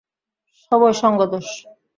সবই সঙ্গ দোষ।